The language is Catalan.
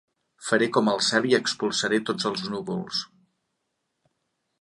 Faré com el cel i expulsaré tots les núvols.